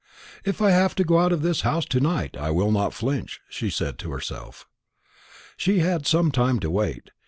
"If I have to go out of this house to night, I will not flinch," she said to herself. She had some time to wait.